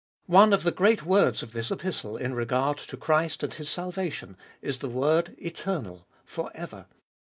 One of the great words of this Epistle in regard to Christ and His salvation is the word Eternal, For ever.